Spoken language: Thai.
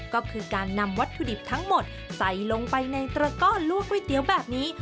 ก็คือการนำวัตถุดิบทั้งหมดใส่ลงไปในตระก้อนลวกก๋วยเตี๋ยวแบบนี้